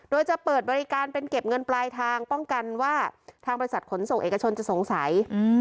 โดยจะเปิดบริการเป็นเก็บเงินปลายทางป้องกันว่าทางบริษัทขนส่งเอกชนจะสงสัย